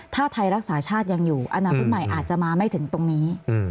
ถ้าไทยรักษาชาติยังอยู่อนาคตใหม่อาจจะมาไม่ถึงตรงนี้